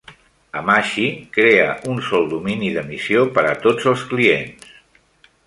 Hamachi crea un sol domini d'emissió per a tots els clients.